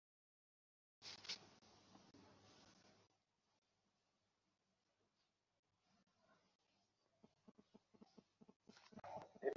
তার মতো ডাবকা সুন্দরী এই এলাকায় আর একজনও নেই।